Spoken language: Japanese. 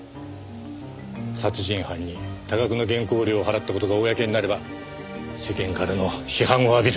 殺人犯に多額の原稿料を払った事が公になれば世間からの批判を浴びる。